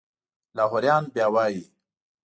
لاهوریان بیا وایي.